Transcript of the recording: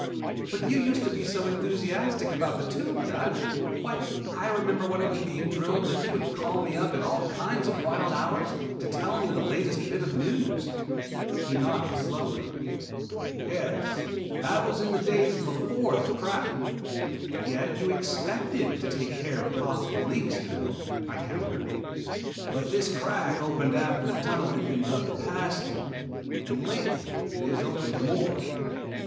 "But you used to be so enthusiastic about the Tube, Dutch! Why I remember when it was being drilled that you would call me up at all kinds of wild hours to tell me the latest bits of news." He nodded slowly. "Yes, that was in the days before the crack." "Yet you expected to take care of possible leaks, you know," I countered. "But this crack opened after the tunnel had been dug past it, and lately it has opened more."